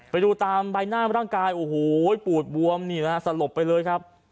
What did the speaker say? ไปดูตามใบหน้าร่างกายโอ้โหปูดบวมนี่นะฮะสลบไปเลยครับ